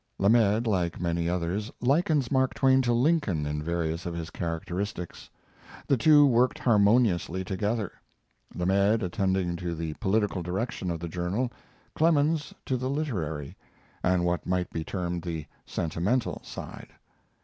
Lamed, like many others, likens Mark Twain to Lincoln in various of his characteristics. The two worked harmoniously together: Lamed attending to the political direction of the journal, Clemens to the literary, and what might be termed the sentimental side.